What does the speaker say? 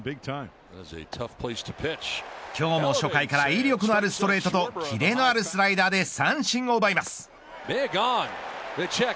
今日も初回から威力のあるストレートときれのあるスライダーで三振を奪います。